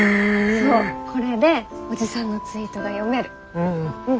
そうこれでおじさんのツイートが読める。